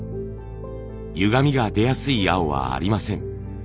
ゆがみが出やすい青はありません。